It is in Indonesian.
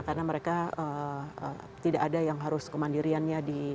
karena mereka tidak ada yang harus kemandiriannya di